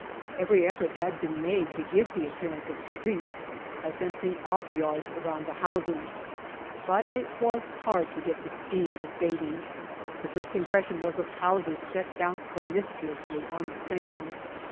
Every effort had been made to give the appear ance of streets by fencing ofif yards around the houses, but it was hard to get the scheme of Beatty. The first impression was of houses set down promiscuously on the sand.